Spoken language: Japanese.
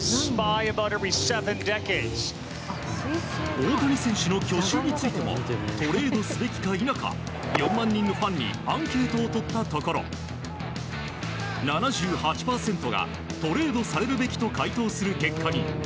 大谷選手の去就についてもトレードすべきか否か４万人のファンにアンケートを取ったところ７８％がトレードされるべきと回答する結果に。